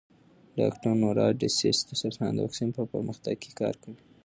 ډاکټر نورا ډسیس د سرطان د واکسین پر پرمختګ کار کوي.